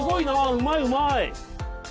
うまいうまい！